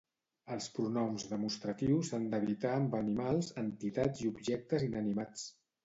Els pronoms demostratius s'han d'evitar amb animals, entitats i objectes inanimats.